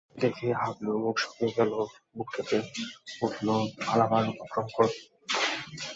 ওকে দেখেই হাবলুর মুখ শুকিয়ে গেল, বুক উঠল কেঁপে, পালাবার উপক্রম করলে।